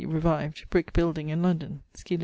e. revived) brick building in London (scil.